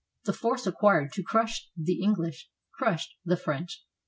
The force acquired to crush the Enghsh crushed the French.